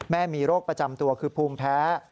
มีโรคประจำตัวคือภูมิแพ้